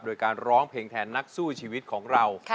โดยการร้องเพลงแทนนักสู้ชีวิตของเรา